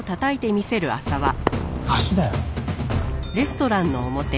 足だよ。